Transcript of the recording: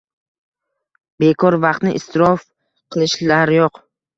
Bekor vaqtni isrof qilshlar yo'q.